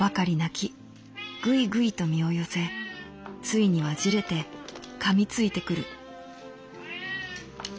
ぐいぐいと身を寄せついには焦れて噛みついて来る」。